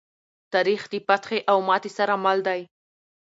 تاریخ د فتحې او ماتې سره مل دی.